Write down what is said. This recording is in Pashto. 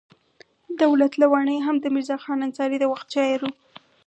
دولت لواڼی هم د میرزا خان انصاري د وخت شاعر و.